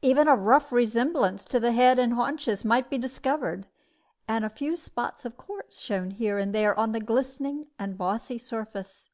Even a rough resemblance to the head and the haunches might be discovered, and a few spots of quartz shone here and there on the glistening and bossy surface.